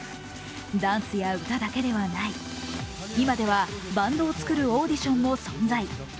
ダンスや歌だけではない、今ではバンドを作るオーディションも存在。